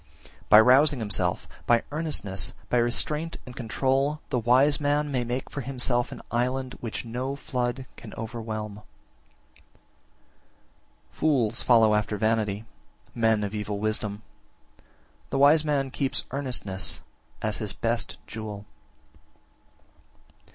25. By rousing himself, by earnestness, by restraint and control, the wise man may make for himself an island which no flood can overwhelm. 26. Fools follow after vanity, men of evil wisdom. The wise man keeps earnestness as his best jewel.